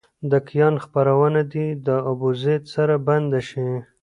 د کیان خپرونه دې له ابوزید سره بنده شي.